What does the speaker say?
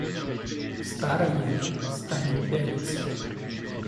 В старое ль станем пялиться?